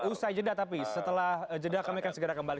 usai jeda tapi setelah jeda kami akan segera kembali